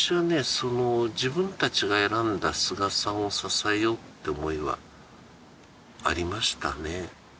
その自分たちが選んだ菅さんを支えようって思いはありましたね